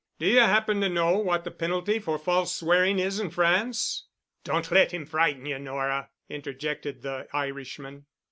Do you happen to know what the penalty for false swearing is in France?" "Don't let him frighten you, Nora," interjected the Irishman.